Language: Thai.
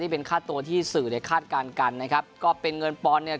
เป็นค่าตัวที่สื่อเนี่ยคาดการณ์กันนะครับก็เป็นเงินปอนด์เนี่ย